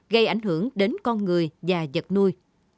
gây ảnh hưởng đến con người và vật nuôi